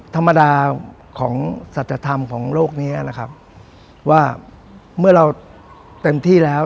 ธรรมดาของสัจธรรมของโลกนี้นะครับว่าเมื่อเราเต็มที่แล้ว